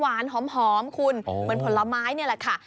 หวานหอมคุณเหมือนผลไม้นี่แหละค่ะ